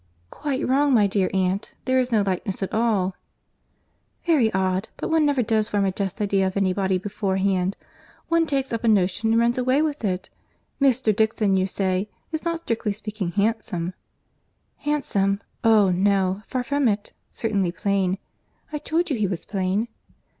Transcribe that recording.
"Quite wrong, my dear aunt; there is no likeness at all." "Very odd! but one never does form a just idea of any body beforehand. One takes up a notion, and runs away with it. Mr. Dixon, you say, is not, strictly speaking, handsome?" "Handsome! Oh! no—far from it—certainly plain. I told you he was plain."